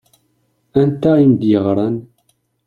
Anta i m-d-yeɣṛan?